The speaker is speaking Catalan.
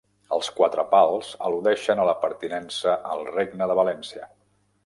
Els quatre pals al·ludeixen a la pertinença al Regne de València.